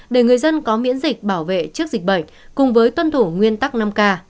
để người dân có miễn dịch bảo vệ trước dịch bệnh cùng với tuân thủ nguyên tắc năm k